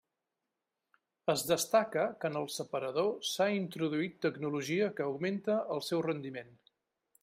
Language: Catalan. Es destaca que en el separador s'ha introduït tecnologia que augmenta el seu rendiment.